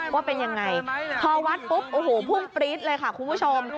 ว่าเป็นยังไงพอวัดปุ๊บโอ้โหพุ่งปรี๊ดเลยค่ะคุณผู้ชม